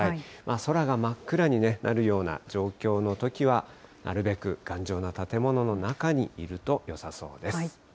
空が真っ暗になるような状況のときは、なるべく頑丈な建物の中にいるとよさそうです。